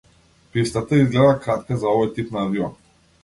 Пистата изгледа кратка за овој тип на авион.